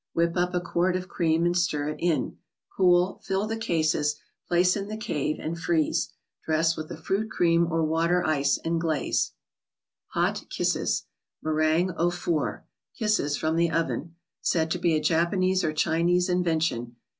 Whip up a quart of cream, and stir it in. Cool; fill the cases; place in the ICED PUDDINGS , ETC. 59 cave, and freeze. Dress with a fruit cream or water ice, and glaze. m mm." ( Meringues au Four —" Kisses from the oven.") Said to be a Japanese or Chinese invention.